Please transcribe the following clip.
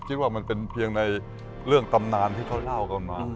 คิดว่ามันเป็นเพียงในเรื่องตำนานที่เขาเล่ากันมา